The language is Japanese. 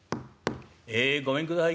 「ええごめんください」。